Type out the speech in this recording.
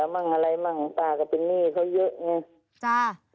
มั่งอะไรมั่งตากับพินี่เขาเยอะไง